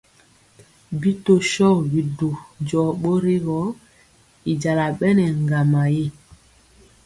Bi tɔ shogi bidu jɔɔ bori gɔ, y jala bɛ nɛ ŋgama ri.